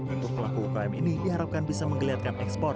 untuk pelaku ukm ini diharapkan bisa menggeliatkan ekspor